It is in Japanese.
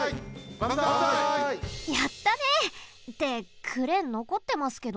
やったね！ってクレーンのこってますけど？